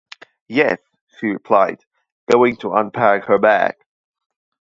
“Yes,” she replied, going to unpack her bag.